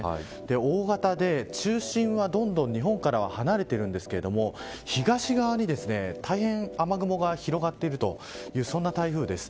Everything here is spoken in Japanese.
大型で中心はどんどん日本からは離れていますが東側に大変、雨雲が広がっているというそんな台風です。